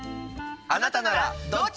あなたならどっち？